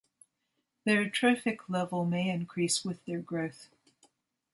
Their trophic level may increase with their growth.